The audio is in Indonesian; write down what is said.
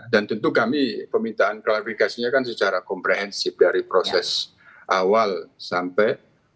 dan tentu kami pemintaan klarifikasinya kan secara komprehensif dari proses awal sampai